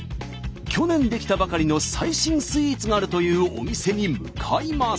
去年出来たばかりの最新スイーツがあるというお店に向かいます。